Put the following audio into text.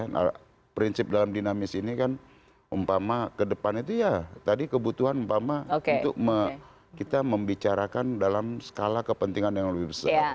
nah prinsip dalam dinamis ini kan umpama ke depan itu ya tadi kebutuhan umpama untuk kita membicarakan dalam skala kepentingan yang lebih besar